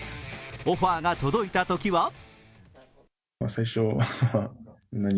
オファーが届いたときは？